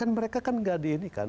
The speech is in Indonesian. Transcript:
kan mereka kan nggak di ini kan